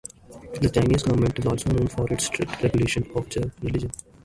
The Chinese government is also known for its strict regulation of religion.